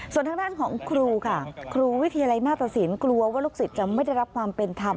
ส่วนทางด้านของครูค่ะครูวิทยาลัยหน้าตสินกลัวว่าลูกศิษย์จะไม่ได้รับความเป็นธรรม